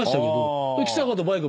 木坂とバイク